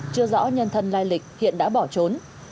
chưa rõ nhân thân lai lịch hiện đã bỏ trốn